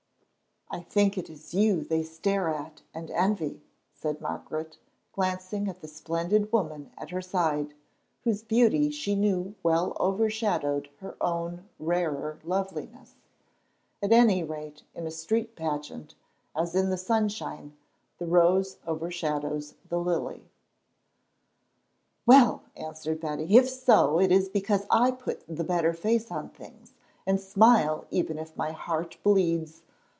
"I think it is you they stare at and envy," said Margaret, glancing at the splendid woman at her side, whose beauty she knew well over shadowed her own rarer loveliness, at any rate in a street pageant, as in the sunshine the rose overshadows the lily. "Well," answered Betty, "if so, it is because I put the better face on things, and smile even if my heart bleeds.